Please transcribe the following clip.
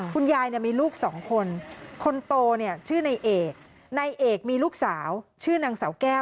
คุณยายมีลูกสองคนคนโตชื่อในเอกในเอกมีลูกสาวชื่อนางเสาแก้ว